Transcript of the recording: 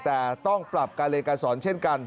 แต่ต้องปรับการเรียนการสอนเช่นกัน